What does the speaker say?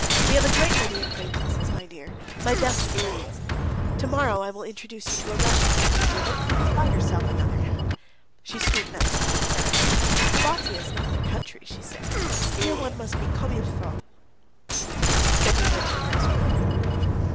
We have a great many acquaintances, my dear, my best of friends! To morrow I will introduce you to a Russian family here, but please buy yourself another hat." She scrutinised me and frowned. "Abbazzia is not the country," she said; "here one must be comme il faut." Then we went to the restaurant.